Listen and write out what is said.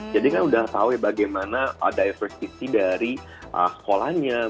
jadi kan udah tau ya bagaimana ada diversiti dari sekolahnya